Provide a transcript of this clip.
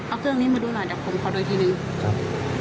เอาเครื่องนี้มาดูหน่อยจะขอโดยทีหนึ่ง